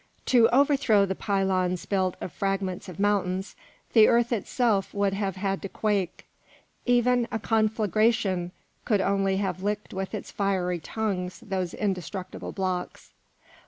To overthrow the pylons built of fragments of mountains, the earth itself would have had to quake; even a conflagration could only have licked with its fiery tongues those indestructible blocks.